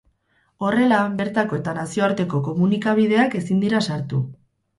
Horrela, bertako eta nazioarteko komunikabideak ezin dira sartu.